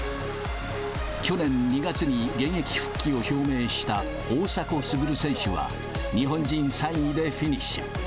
去年２月に現役復帰を表明した大迫傑選手は、日本人３位でフィニッシュ。